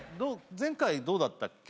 前回どうだったっけ？